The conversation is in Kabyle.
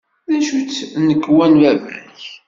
D acu-tt tnekwa n baba-k?